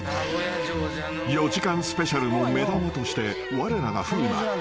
［４時間スペシャルの目玉としてわれらが風磨向井